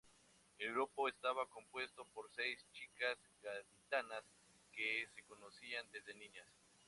El grupo estaba compuesto por seis chicas gaditanas que se conocían desde niñas.